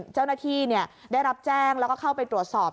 เจ้าหน้าที่ได้รับแจ้งแล้วก็เข้าไปตรวจสอบ